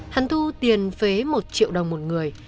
hắn thu tiền phế một triệu đồng một người